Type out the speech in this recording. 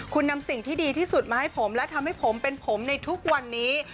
คุณนำสิ่งที่ดีที่สุดมาให้ผมและทำให้ผมเป็นผมในทุกวันนี้